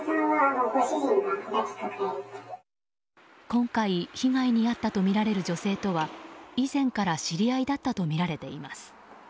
今回被害に遭ったとみられる女性とは以前から知り合いだったとみられています。